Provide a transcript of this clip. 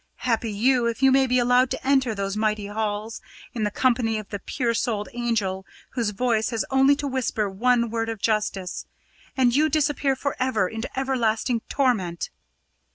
Happy you, if you may be allowed to enter those mighty halls in the company of the pure souled angel whose voice has only to whisper one word of justice, and you disappear for ever into everlasting torment."